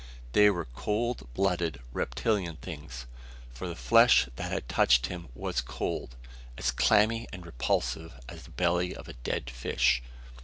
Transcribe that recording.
They were cold blooded, reptilian things, for the flesh that had touched him was cold; as clammy and repulsive as the belly of a dead fish.